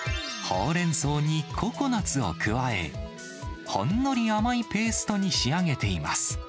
ほうれんそうにココナツを加え、ほんのり甘いペーストに仕上げています。